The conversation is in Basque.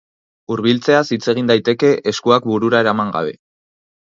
Hurbiltzeaz hitz egin daiteke eskuak burura eraman gabe.